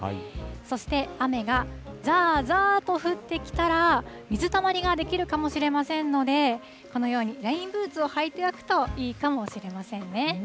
そして、雨がざーざーと降ってきたら、水たまりが出来るかもしれませんので、このようにレインブーツを履いておくといいかもしれませんね。